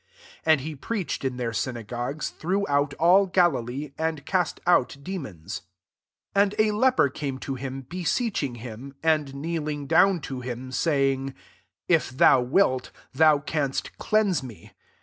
39 And he preached m their synagogues, throughout all Galilee; and cast out de mons. 40 And a leper came to him, , MARK 11. 75 beseecbing him, and kneeling down to him, saying, *' If thou wilt, thou canst cleanse me."